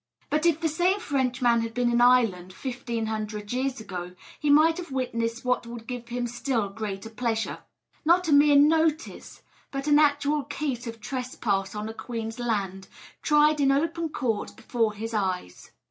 But if the same Frenchman had been in Ireland 1,500 years ago, he might have witnessed what would give him still greater pleasure: not a mere notice, but an actual case of trespass on a queen's ground, tried in open court before his eyes.